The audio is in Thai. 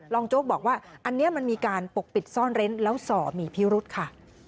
โจ๊กบอกว่าอันนี้มันมีการปกปิดซ่อนเร้นแล้วส่อมีพิรุธค่ะ